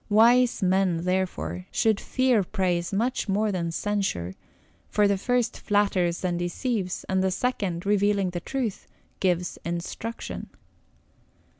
Wise men, therefore, should fear praise much more than censure, for the first flatters and deceives, and the second, revealing the truth, gives instruction.